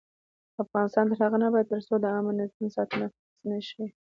افغانستان تر هغو نه ابادیږي، ترڅو د عامه نظم ساتنه فرض نشي.